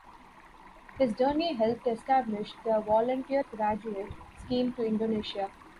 His journey helped establish the Volunteer Graduate Scheme to Indonesia.